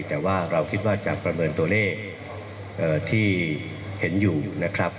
แต่ว่าเราคิดว่าจะประเมินตัวเลขที่เห็นอยู่นะครับ